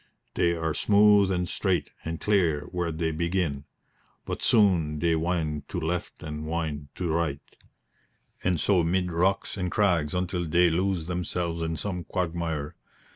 They are smooth and straight and clear where they begin; but soon they wind to left and wind to right, and so mid rocks and crags until they lose themselves in some quagmire.